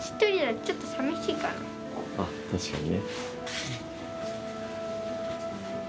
あっ確かにね。